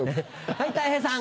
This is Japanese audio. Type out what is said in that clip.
はいたい平さん。